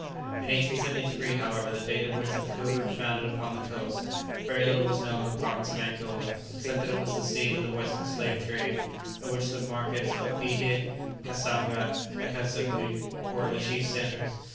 In 1873, however, the date at which the "Pilgrim" foundered upon the coast, very little was known of the province of Angola, except that it was the scene of the western slave trade, of which the markets of Bihé, Cassanga, and Kazunde were the chief centres.